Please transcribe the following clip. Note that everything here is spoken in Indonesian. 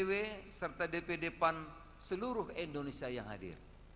dpw serta dpd pan seluruh indonesia yang hadir